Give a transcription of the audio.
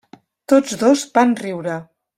Tots dos van riure.